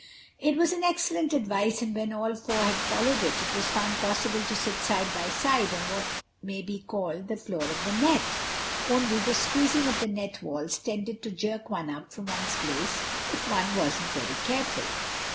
It was excellent advice and when all four had followed it, it was found possible to sit side by side on what may be called the floor of the net, only the squeezing of the net walls tended to jerk one up from one's place if one wasn't very careful.